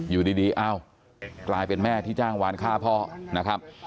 อยู่ดีอ้าวกลายเป็นแม่ที่จ้างวานฆ่าพ่อนะครับ